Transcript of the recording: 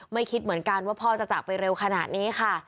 คิดเหมือนกันว่าพ่อจะจากไปเร็วขนาดนี้ค่ะ